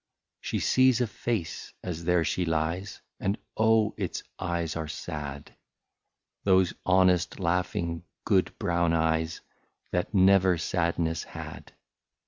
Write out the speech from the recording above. She sees a face as there she lies, And oh ! its eyes are sad, — Those honest laughing good brown eyes. That never sadness had.